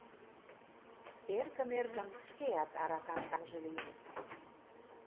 Эркын-эркын шкеат аракан таҥже лийым.